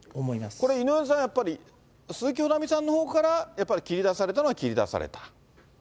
これ、井上さん、やっぱり鈴木保奈美さんのほうから、やっぱり切り出されたのは切り出された。